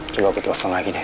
coba aku telepon lagi deh